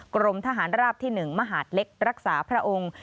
กรมทหารราบที่๑มหาดเล็กรักษาพระองค์